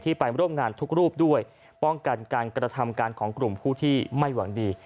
ไปร่วมงานทุกรูปด้วยป้องกันการกระทำการของกลุ่มผู้ที่ไม่หวังดี